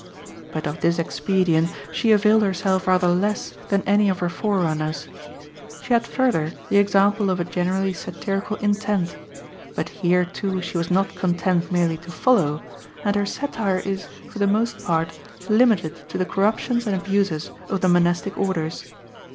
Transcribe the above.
But of this expedient she availed herself rather less than any of her forerunners. She had further the example of a generally satirical intent; but here, too, she was not content merely to follow, and her satire is, for the most part, limited to the corruptions and abuses of the monastic orders.